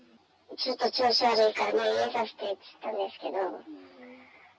ちょっと調子悪いから入院させてって言ったんですけど。